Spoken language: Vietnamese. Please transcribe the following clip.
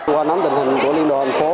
qua nắm tình hình của liên đồng hành phố